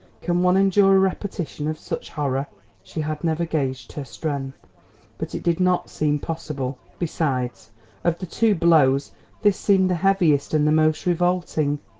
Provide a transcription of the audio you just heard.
Can one endure a repetition of such horror? She had never gauged her strength, but it did not seem possible. Besides of the two blows, this seemed the heaviest and the most revolting.